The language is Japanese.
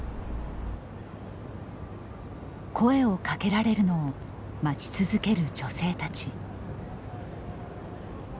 声をかけられるのを待ち続ける女性たち。